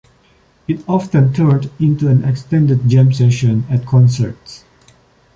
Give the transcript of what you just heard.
It often turned into an extended jam session at concerts.